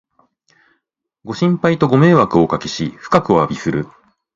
ご心配とご迷惑をおかけし、深くおわびする